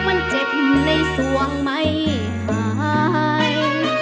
มันเจ็บในส่วงไม่หาย